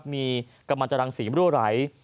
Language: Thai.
มีกระมันจรังสีมรั่วไหล